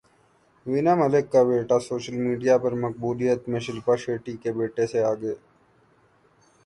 وینا ملک کا بیٹا social media پر مقبولیت میں شلپا شیٹھی کے بیٹے سے آگے